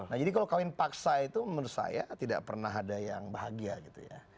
nah jadi kalau kawin paksa itu menurut saya tidak pernah ada yang bahagia gitu ya